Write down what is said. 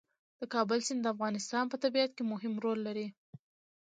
د کابل سیند د افغانستان په طبیعت کې مهم رول لري.